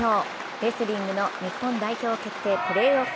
レスリングの日本代表決定プレーオフ。